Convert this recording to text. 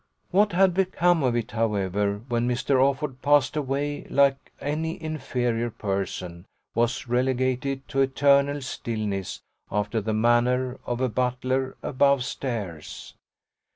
What had become of it however when Mr. Offord passed away like any inferior person was relegated to eternal stillness after the manner of a butler above stairs?